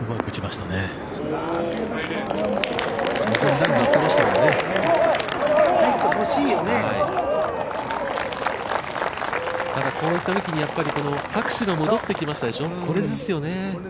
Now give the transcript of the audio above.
ただ、こういったときにこの拍手が戻ってきましたでしょう。